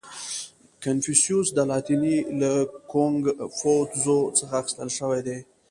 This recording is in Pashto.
• کنفوسیوس د لاتیني له کونګ فو تزو څخه اخیستل شوی دی.